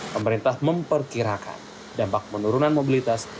pemerintah memperkirakan dampak penurunan mobilitas